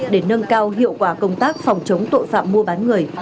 để nâng cao hiệu quả công tác phòng chống tội phạm mua bán người